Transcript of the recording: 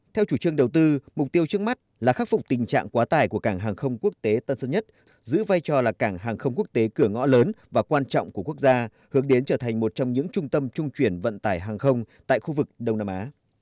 theo chủ trương đầu tư mục tiêu trước mắt là khắc phục tình trạng quá tải của cảng hàng không quốc tế tân sơn nhất giữ vai trò là cảng hàng không quốc tế cửa ngõ lớn và quan trọng của quốc gia hướng đến trở thành một trong những trung tâm trung chuyển vận tải hàng không tại khu vực đông nam á